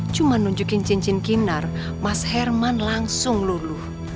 cuma nunjukin cincin kinar mas herman langsung luluh